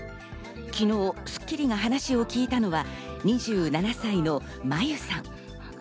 昨日『スッキリ』が話を聞いたのは２７歳のマユさん。